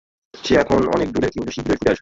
সে এখন অনেক দূরে, কিন্তু, শীঘ্রই ফিরে আসবে।